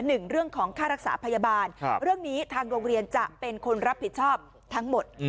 หนึ่งเรื่องของค่ารักษาพยาบาลเรื่องนี้ทางโรงเรียนจะเป็นคนรับผิดชอบทั้งหมด